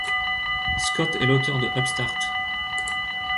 Scott est l'auteur de Upstart.